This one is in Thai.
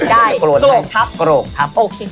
ได้โกรธโกรธครับโกรธครับโอเค